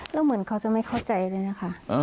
แล้วเหมือนเขาจะไม่เข้าใจเลยนะคะ